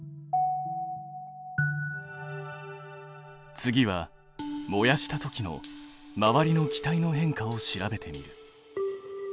次は燃やしたときの周りの気体の変化を調べてみる。